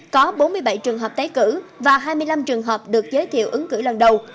có bốn mươi bảy trường hợp tái cử và hai mươi năm trường hợp được giới thiệu ứng cử lần đầu